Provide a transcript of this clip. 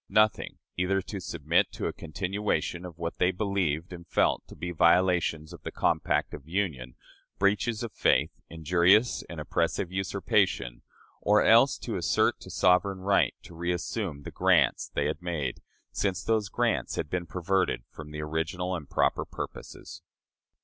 Nothing, except either to submit to a continuation of what they believed and felt to be violations of the compact of union, breaches of faith, injurious and oppressive usurpation, or else to assert the sovereign right to reassume the grants they had made, since those grants had been perverted from their original and proper purposes.